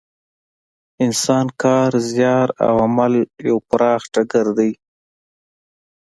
انسان کار، زیار او عمل یو پراخ ډګر دی.